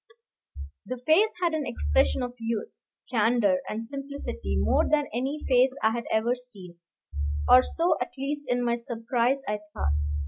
The face had an expression of youth, candor, and simplicity more than any face I had ever seen, or so, at least in my surprise, I thought.